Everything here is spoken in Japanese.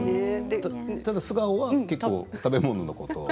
ただ、素顔は結構、食べ物のことを。